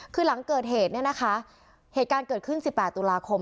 คือหลังเกิดเหตุเนี่ยนะคะเหตุการณ์เกิดขึ้น๑๘ตุลาคม